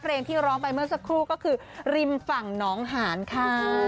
เพลงที่ร้องไปเมื่อสักครู่ก็คือริมฝั่งน้องหานค่ะ